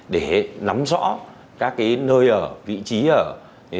để nắm rõ các nơi ở vị trí ở